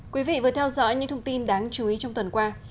quý vị vừa theo dõi những thông tin đáng chú ý trong tuần qua